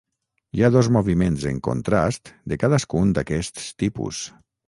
Hi ha dos moviments en contrast de cadascun d"aquests tipus.